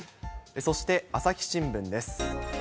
そして朝日新聞です。